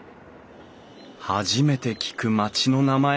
初めて聞く町の名前。